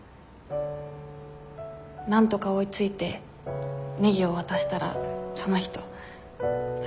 なんとか追いついてネギを渡したらその人「ありがとう。